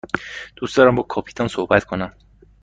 دوست دارم با کاپیتان صحبت کنم.